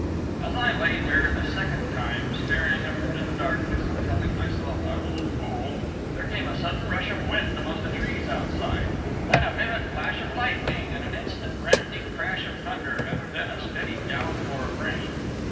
As I lay there the second time, staring up into the darkness and telling myself I was a fool, there came a sudden rush of wind among the trees outside; then a vivid flash of lightning and an instant rending crash of thunder, and then a steady downpour of rain.